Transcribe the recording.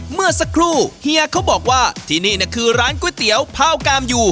เมื่อสักครู่เฮียเขาบอกว่าที่นี่คือร้านก๋วยเตี๋ยวผ้ากามอยู่